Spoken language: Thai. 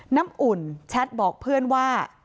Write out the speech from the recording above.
น้ำอุ่นแชทบอกเพื่อนว่า